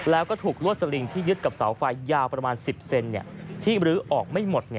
แล้วก็ถูกลวดสลิงที่ยึดกับเสาไฟยาวประมาณ๑๐เซนที่มรื้อออกไม่หมด